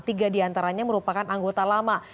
tiga diantaranya merupakan anggota lama